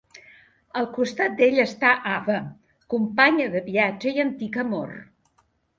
Al costat d'ell està Ava, companya de viatge i antic amor.